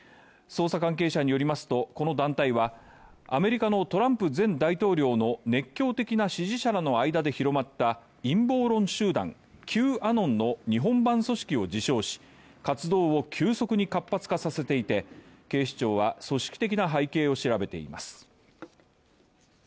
捜査関係者によりますとこの団体はアメリカのトランプ前大統領の熱狂的な支持者らの間で広まった陰謀論集団＝Ｑアノンの日本版組織を自称し活動を急速に活発化させていて警視庁は組織的な背景を調べています。